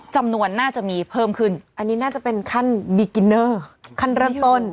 จำนวนน่าจะมีเพิ่มขึ้นอันนี้น่าจะเป็นขั้นบิกิเนอร์ขั้นเริ่มต้น